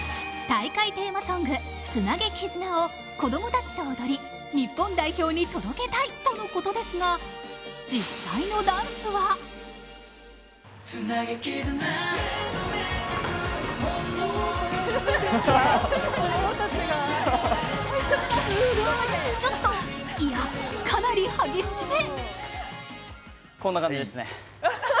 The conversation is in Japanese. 大会テーマソング「ツナゲキズナ」を子供たちと踊り日本代表に届けたいとのことですが、実際のダンスはちょっと、いや、かなり激しめ。